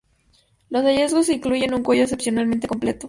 Los hallazgos incluyen un cuello excepcionalmente completo.